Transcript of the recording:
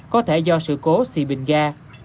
có thể do sự cố xị bình ga